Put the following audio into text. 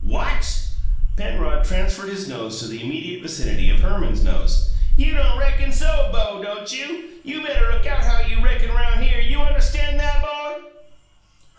"WHAT!" Penrod transferred his nose to the immediate vicinity of Herman's nose. "You don't reckon so, 'bo, don't you? You better look out how you reckon around here! YOU UNDERSTAN' THAT, 'BO?"